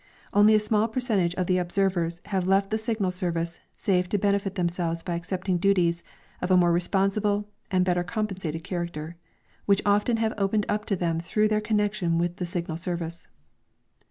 Only a small percentage of the observers have left the Signal service save to lienefit themselves by accei:)ting duties of a more responsible and lietter compensated character, which often have opened n\) to them through their connection with the Signal service.